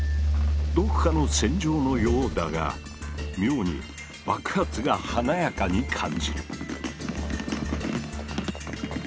どこかの戦場のようだが妙に爆発が華やかに感じる。